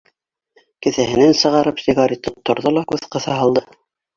Кеҫәһенән сығарып сигарет тотторҙо ла күҙ ҡыҫа һалды: